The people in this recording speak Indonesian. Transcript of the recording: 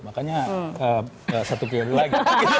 makanya satu kali lagi